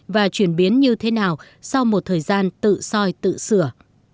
và chuyển biến như thế nào sau một thời gian tự soi tự sửa